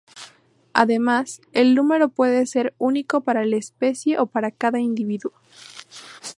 Además, el número puede ser único para la especie o para cada individuo.